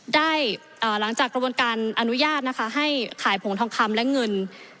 ได้หลังจากกระบวนการอนุญาตนะคะให้ขายผงทองคำและเงิน